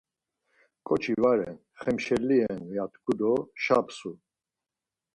ǩoçi va ren Xemşelli ren ya tku do şapsu.